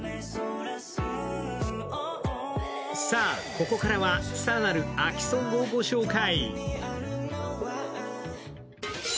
ここからは更なる秋ソングをご紹介。